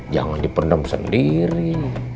jangan dipenuhi sendiri